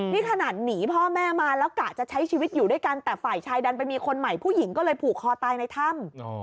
นี่ขนาดหนีพ่อแม่มาแล้วกะจะใช้ชีวิตอยู่ด้วยกันแต่ฝ่ายชายดันไปมีคนใหม่ผู้หญิงก็เลยผูกคอตายในถ้ำ